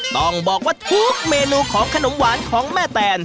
ต้องบอกว่าทุกเมนูของขนมหวานของแม่แตน